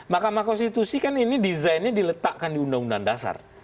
mahkamah konstitusi kan ini desainnya diletakkan di undang undang dasar